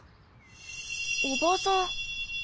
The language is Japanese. おばさん。